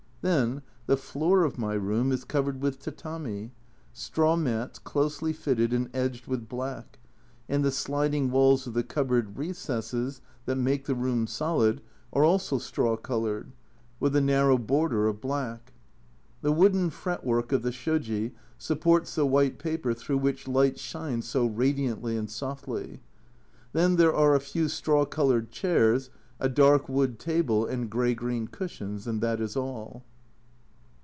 Then the floor of my room is covered with tatami straw mats closely fitted and edged with black, and the sliding walls of the cup board recesses that make the room solid are also A Journal from Japan 221 straw coloured, with a narrow border of black. The wooden fretwork of the soji supports the white paper through which light shines so radiantly and softly ; then there are a few straw coloured chairs, a dark wood table and grey green cushions and that is all.